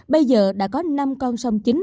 bây giờ đã có năm con sông chính